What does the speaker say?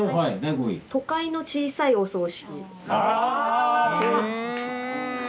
５位は「都会の小さいお葬式」。